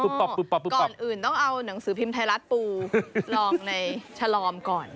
ก่อนอื่นต้องเอาหนังสือพิมพ์ไทยรัฐปูลองในฉลอมก่อน